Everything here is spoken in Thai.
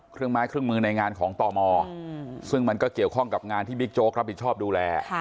ไม้เครื่องมือในงานของตมซึ่งมันก็เกี่ยวข้องกับงานที่บิ๊กโจ๊กรับผิดชอบดูแล